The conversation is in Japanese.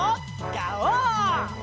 ガオー！